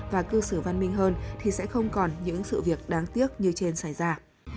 và cư xử văn minh hơn thì sẽ không còn những sự việc đáng tiếc như trên xảy ra